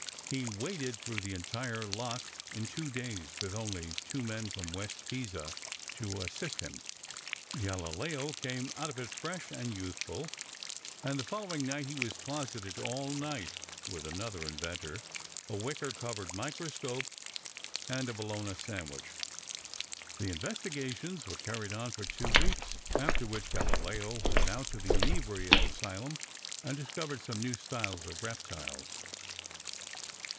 He waded through the entire lot in two days with only two men from West Pisa to assist him. Galileo came out of it fresh and youthful, and the following night he was closeted all night with another inventor, a wicker covered microscope, and a bologna sausage. The investigations were carried on for two weeks, after which Galileo went out to the inebriate asylum and discovered some new styles of reptiles.